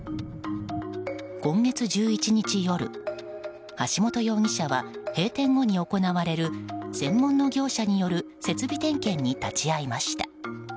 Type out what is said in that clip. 今月１１日夜、橋本容疑者は閉店後に行われる専門の業者による設備点検に立ち会いました。